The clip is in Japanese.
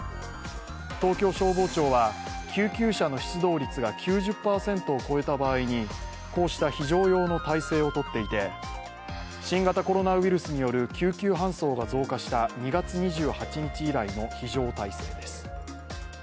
東京消防庁は、救急車の出動率が９０％を超えた場合にこうした非常用の体制をとっていて新型コロナウイルスによる救急搬送が増加した２月２８日以来の非常態勢です。